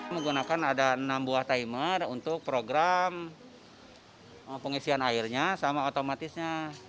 menggunakan ada enam buah timer untuk program pengisian airnya sama otomatisnya